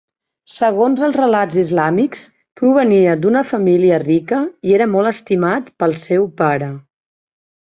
Segons els relats islàmics provenia d'una família rica i era molt estimat pel seu pare.